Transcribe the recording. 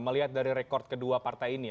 melihat dari rekod kedua partai ini